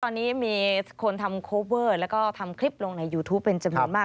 ตอนนี้มีคนทำโคเวอร์แล้วก็ทำคลิปลงในยูทูปเป็นจำนวนมาก